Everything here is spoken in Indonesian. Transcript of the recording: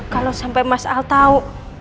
kalau sampai mas al tahu